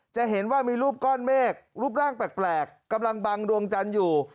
จะเห็นว่ามีรูปก้อนเมฆรูปร่างแปลกกำลังบังดวงจันทร์อยู่